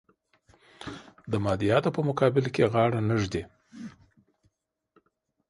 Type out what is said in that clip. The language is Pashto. د مادیاتو په مقابل کې غاړه نه ږدي.